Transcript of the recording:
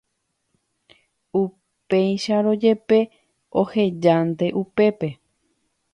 upéicharõjepe, ohejánte upépe.